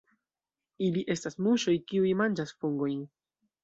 Ili estas muŝoj, kiuj manĝas fungojn.